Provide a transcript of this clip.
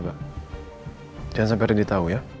jangan sampai rendy tau ya